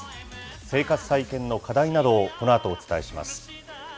生活再建の課題などをこのあとお伝えします。